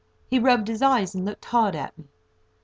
He rubbed his eyes, and looked hard at me.